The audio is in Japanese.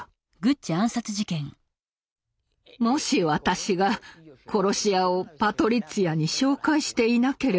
もし私が殺し屋をパトリッツィアに紹介していなければ。